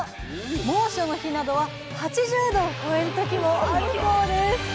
猛暑の日などは８０℃を超える時もあるそうです